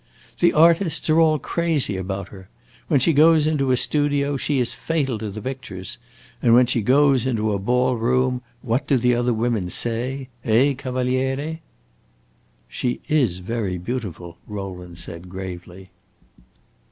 "The artists are all crazy about her. When she goes into a studio she is fatal to the pictures. And when she goes into a ball room what do the other women say? Eh, Cavaliere?" "She is very beautiful," Rowland said, gravely.